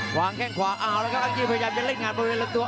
หวางแข้งขวาอ้าวแล้วก็อังกฤษพยายามจะเล่นงานบริเวณลำตัว